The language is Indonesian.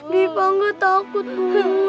di pangga takut bu